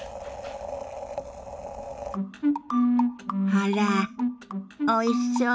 あらおいしそうね。